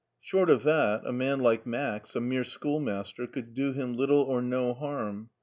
Short of that, a man like Max, a mere schoolmaster, could do him little or no harm.